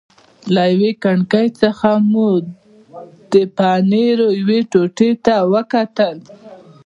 له یوې کړکۍ څخه مو د پنیرو یوې ټوټې ته وکتل.